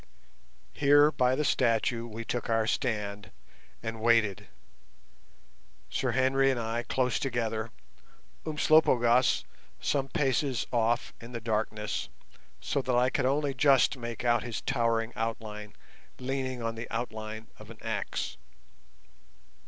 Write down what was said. Here by the statue we took our stand, and waited. Sir Henry and I close together, Umslopogaas some paces off in the darkness, so that I could only just make out his towering outline leaning on the outline of an axe.